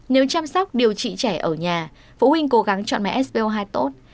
nếu chăm sóc điều trị trẻ ở nhà phụ huynh cố gắng chọn máy spo hai tốt